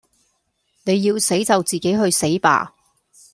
你要死就自己去死吧